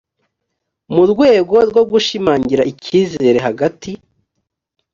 mu rwego rwo gushimangira icyizere hagati